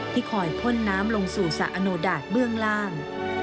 คอยพ่นน้ำลงสู่สระอโนดาตเบื้องล่าง